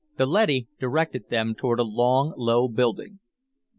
The leady directed them toward a long, low building.